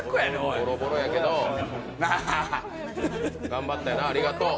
ボロボロやけど頑張ったよな、ありがとう。